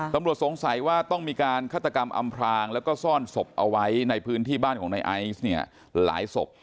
สงสัยว่าต้องมีการฆาตกรรมอำพรางแล้วก็ซ่อนศพเอาไว้ในพื้นที่บ้านของนายไอซ์เนี่ยหลายศพ